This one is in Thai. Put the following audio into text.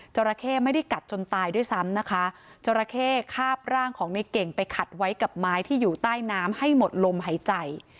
จราเข้ไม่ได้กัดจนตายด้วยซ้ำนะคะจราเข้คาบร่างของในเก่งไปขัดไว้กับไม้ที่อยู่ใต้น้ำให้หมดลมหายใจ